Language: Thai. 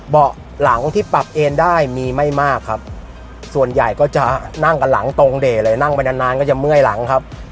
เบาะหลังที่ปรับเอนได้มีไม่มากครับส่วนใหญ่ก็จะนั่งกันหลังตรงเด่เลยนั่งไปนานนานก็จะเมื่อยหลังครับ